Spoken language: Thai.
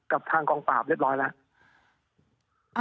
กับทางกองปราบเรียบร้อยแล้ว